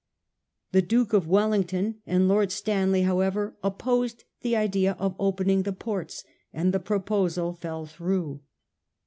The Duke of Wellington and Lord Stanley, however, opposed the idea of opening the ports, and the proposal fell through.